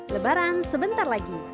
lebaran sebentar lagi